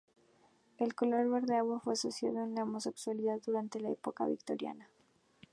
El color verde agua fue asociado en la homosexualidad durante la Época victoriana.